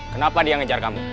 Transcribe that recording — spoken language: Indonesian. kenapa dia ngejar kamu